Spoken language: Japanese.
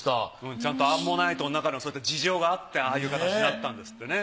ちゃんとアンモナイトのなかのそういった事情があってああいう形になったんですってね。